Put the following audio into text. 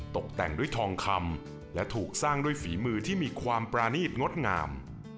ตกแต่งด้วยทองคำและถูกสร้างด้วยฝีมือที่มีความปรานีตงดงาม